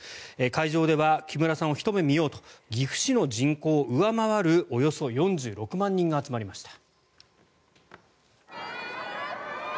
会場では木村さんをひと目見ようと岐阜市の人口を上回るおよそ４６万人が集まりました。